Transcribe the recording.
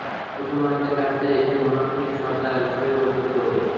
মুসলমানদের কাছে সে মুনাফিক সর্দার হিসেবে পরিচিত।